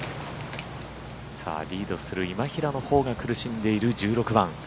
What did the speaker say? リードする今平のほうが苦しんでいる１６番。